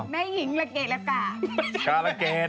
แม่หญิงกะละเกรษละค่ะ